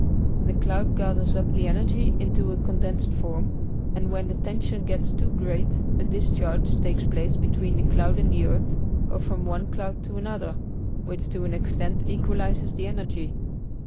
The cloud gathers up the energy into a condensed form, and when the tension gets too great a discharge takes place between the cloud and the earth or from one cloud to another, which to an extent equalizes the energy.